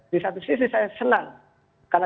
di satu sisi saya senang karena